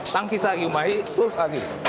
tangki lagi terus lagi